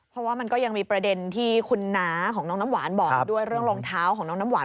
เพราะว่ามันก็ยังมีประเด็นที่คุณน้าของน้องน้ำหวานบอกด้วยเรื่องรองเท้าของน้องน้ำหวาน